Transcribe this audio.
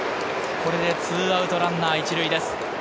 これで２アウトランナー１塁です。